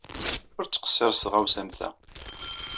Ur ttqeṣṣir s tɣawsa am ta.